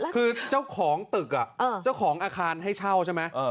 คือเจ้าของตึกเจ้าของอาคารให้เช่าใช่ไหม